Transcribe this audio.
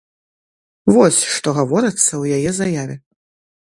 Вось што гаворыцца ў яе заяве.